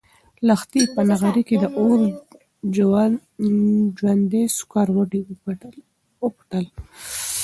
لښتې په نغري کې د اور ژوندي سکروټي وپلټل.